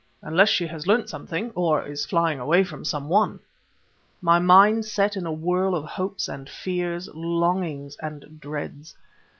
"Unless she has learnt something, or is flying away from some one!" My mind set in a whirl of hopes and fears, longings and dreads.